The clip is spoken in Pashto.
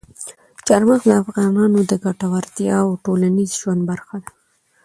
چار مغز د افغانانو د ګټورتیا او ټولنیز ژوند برخه ده.